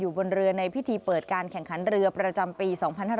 บนเรือในพิธีเปิดการแข่งขันเรือประจำปี๒๕๕๙